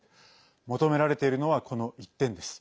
求められているのはこの１点です。